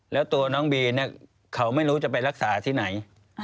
แล้วตัวน้องบีเนี่ยเขาไม่รู้จะไปรักษาที่ไหน